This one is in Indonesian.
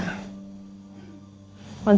i'll jemput tante